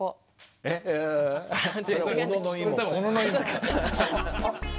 えっ！？